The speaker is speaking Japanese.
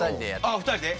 あっ２人で？